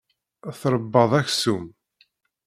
Tṛebbaḍ aksum.